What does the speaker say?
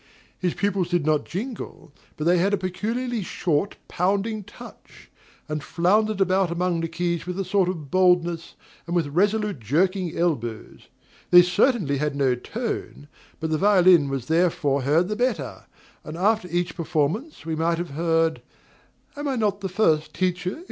His pupils did not jingle, but they had a peculiarly short, pounding touch; and floundered about among the keys with a sort of boldness, and with resolute, jerking elbows. They certainly had no tone, but the violin was therefore heard the better; and after each performance we might have heard, "Am I not the first teacher in Europe?" MRS. SOLID.